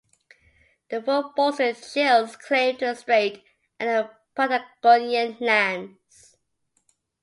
The fort bolstered Chile's claim to the Strait and the Patagonian lands.